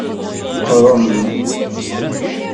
Qrem.